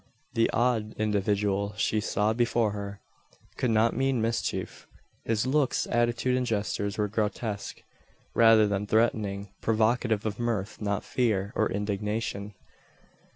The odd individual she saw before her, could not mean mischief. His looks, attitude, and gestures were grotesque, rather than threatening; provocative of mirth not fear, or indignation.